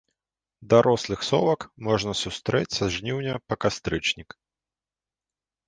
Дарослых совак можна сустрэць са жніўня па кастрычнік.